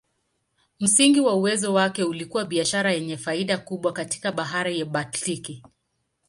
Msingi wa uwezo wake ulikuwa biashara yenye faida kubwa katika Bahari ya Baltiki.